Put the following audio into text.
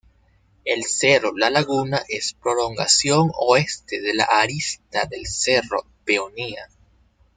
El Cerro La Laguna es prolongación oeste de la arista del Cerro Peonía.